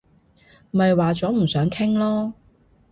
咪話咗唔想傾囉